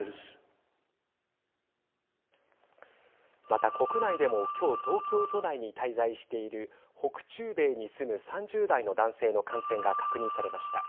また、国内でもきょう、東京都内に滞在している北中米に住む３０代の男性の感染が確認されました。